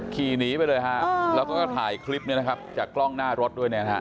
ขี่หนีไปเลยฮะแล้วก็ถ่ายคลิปนี้นะครับจากกล้องหน้ารถด้วยเนี่ยนะฮะ